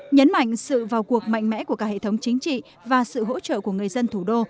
nhấn mạnh sự vào cuộc mạnh mẽ của cả hệ thống chính trị và sự hỗ trợ của người dân thủ đô